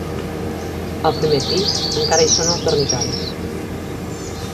Al primer pis encara hi són els dormitoris.